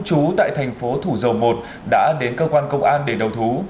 chú tại thành phố thủ dầu một đã đến cơ quan công an để đầu thú